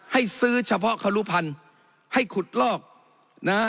ให้ซื้อเฉพาะครุพันธุ์ให้ขุดลอกนะ